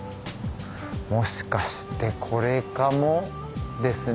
もしかしてこれかも？ですね。